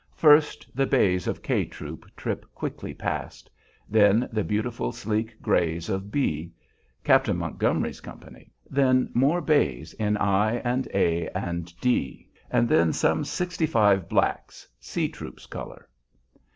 First the bays of "K" Troop trip quickly past; then the beautiful, sleek grays of "B," Captain Montgomery's company; then more bays in "I" and "A" and "D," and then some sixty five blacks, "C" Troop's color.